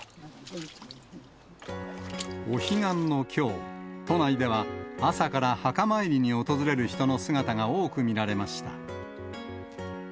お彼岸のきょう、都内では朝から墓参りに訪れる人の姿が多く見られました。